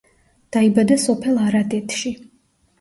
დაიბადა სოფელ არადეთში.